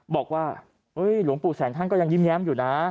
บอกว่าหลวงปู่แสงท่านก็ยังยิ้มแย้มอยู่นะ